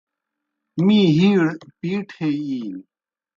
می ہِیڑ پیٹ ہے اِینیْ۔